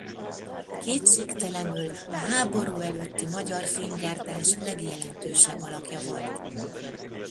Kétségtelenül a háború előtti magyar filmgyártás legjelentősebb alakja volt.